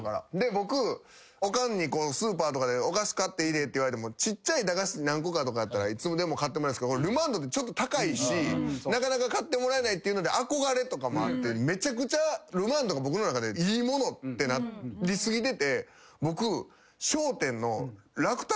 僕おかんにスーパーとかで「お菓子買っていいで」って言われてもちっちゃい駄菓子何個かやったらいつでも買ってもらえるけどルマンドってちょっと高いしなかなか買ってもらえないっていうので憧れとかもあってめちゃくちゃ。ってなりすぎてて僕。